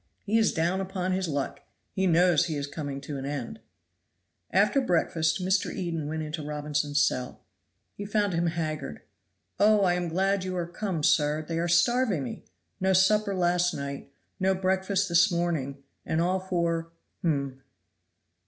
"He is down upon his luck; he knows he is coming to an end." After breakfast Mr. Eden went into Robinson's cell. He found him haggard. "Oh, I am glad you are come, sir; they are starving me! No supper last night, no breakfast this morning, and all for hum."